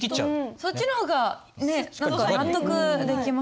そっちの方がね何か納得できますよね。